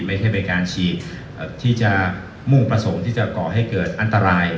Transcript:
ไม่ใช่เป็นการฉีดที่จะมุ่งประสงค์ที่จะก่อให้เกิดอันตราย